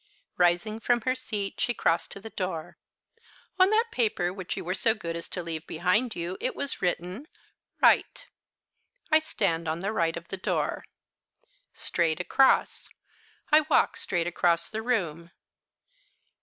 Rising from her seat, she crossed to the door. "On that paper which you were so good as to leave behind you it was written, 'Right' I stand on the right of the door. 'Straight across' I walk straight across the room.